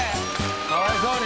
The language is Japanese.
かわいそうに。